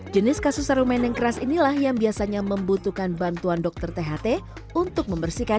jenis kasus serumen yang keras inilah yang biasanya membutuhkan bantuan dokter tht untuk membersihkan